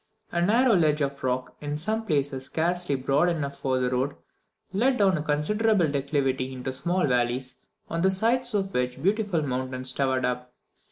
A narrow ledge of rock, in some places scarcely broad enough for the road, led down a considerable declivity into small valleys, on the sides of which beautiful mountains towered up.